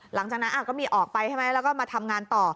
หลังจากนั้นก็มีออกไปใช่ไหมแล้วก็มาทำงานต่อ